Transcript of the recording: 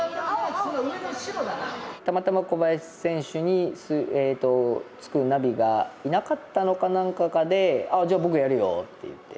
たまたま小林選手につくナビがいなかったのかなんかでじゃあ僕やるよって言って。